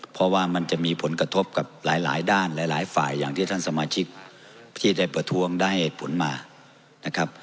เพราะว่ามันจะมีผลกระทบกับหลายด้านหลายฝ่ายอย่างที่ท่านสมาชิกที่ได้ประท้วงได้ผลมานะครับ